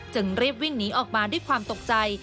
จึงรีบวิ่งหนีออกมาด้วยความตกใจ